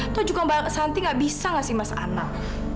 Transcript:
atau juga mbak santi gak bisa mas anak